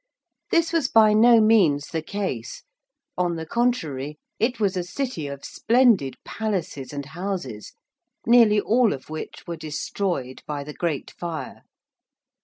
This was by no means the case. On the contrary, it was a city of splendid palaces and houses nearly all of which were destroyed by the Great Fire.